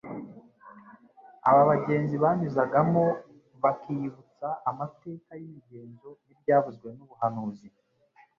Aba bagenzi banyuzagamo bakiyibutsa amateka y'imigenzo n'ibyavuzwe n'ubuhanuzi